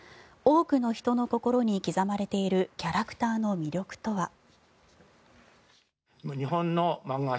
多くの人の心に刻まれているキャラクターの魅力とは。